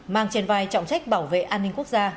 mang trên vai trọng trách bảo vệ an ninh quốc gia